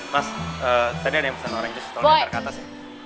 mas tadi ada yang pesan orang just tolong nyantar ke atas ya